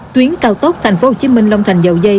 tuyến cao tốc tp hcm long thành dậu dây